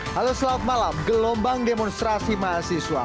halo selamat malam gelombang demonstrasi mahasiswa